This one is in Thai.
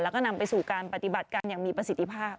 แล้วก็นำไปสู่การปฏิบัติการอย่างมีประสิทธิภาพ